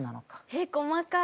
えっ細かい。